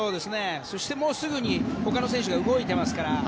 そして、すぐにほかの選手が動いてますから。